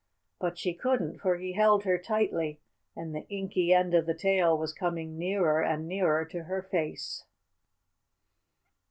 But she couldn't, for he held her tightly, and the inky end of the tail was coming nearer and nearer to her face.